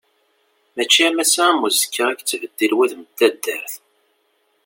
Mačči am ass-a am uzekka i yettbeddil wudem n taddart.